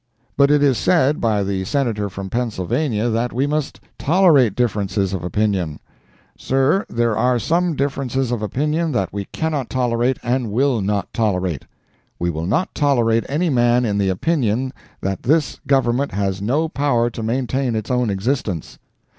But it is said by the Senator from Pennsylvania that we must tolerate differences of opinion. Sir, there are some differences of opinion that we cannot tolerate and will not tolerate. We will not tolerate any man in the opinion that this Government has no power to maintain its own existence.